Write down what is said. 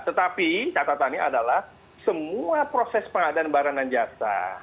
tetapi catatannya adalah semua proses pengadaan barang dan jasa